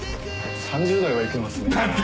３０代はいけますよ。